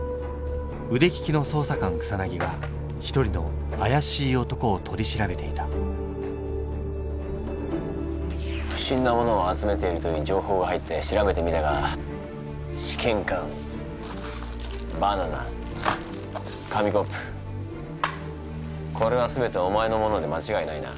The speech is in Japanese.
うでききの捜査官草が一人のあやしい男を取り調べていた不審なものを集めているというじょうほうが入って調べてみたが試験管バナナ紙コップこれは全てお前のものでまちがいないな？